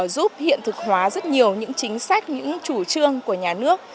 giúp hiện thực hóa rất nhiều những chính sách những chủ trương của nhà nước